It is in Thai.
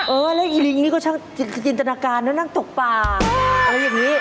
เออแล้วอีลิงนี่ก็ช่างจินตนาการนะนั่งตกป่าอะไรอย่างนี้